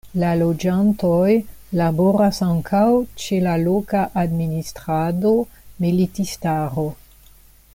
La loĝantoj laboras ankaŭ ĉe la loka administrado, militistaro.